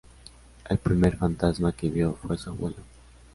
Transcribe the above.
El primer 'fantasma' que vio fue su abuelo.